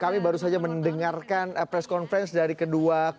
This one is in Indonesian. kami baru saja mendengarkan press conference dari kedua